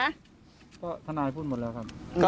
ก็ทนายพูดหมดแล้วครับ